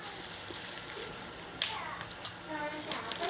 selain daripada permasalahan kemajuan terdapat banyak kedoa bagi ibadah cari perman doesn